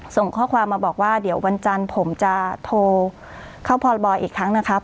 ส่งข้อความมาบอกว่าเดี๋ยววันจันทร์ผมจะโทรเข้าพรบอยอีกครั้งนะครับ